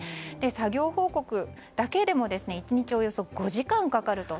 作業報告だけでも１日およそ５時間かかると。